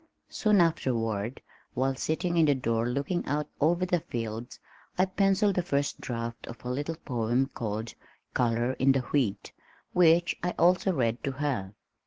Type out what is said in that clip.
Soon afterward, while sitting in the door looking out over the fields, I pencilled the first draft of a little poem called Color in the Wheat which I also read to her.